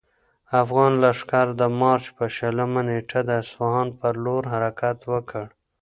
افغان لښکر د مارچ په شلمه نېټه د اصفهان پر لور حرکت وکړ.